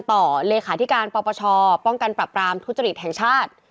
เลขาธิการปปชป้องกันปรับปรามทุจริตแห่งชาติ